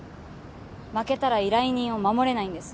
負けたら依頼人を守れないんです。